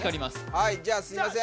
はいじゃあすいません